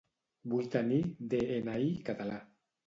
Vull tenir dni català